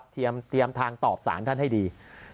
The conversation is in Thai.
เตรียมทางตอบสารท่านให้ดี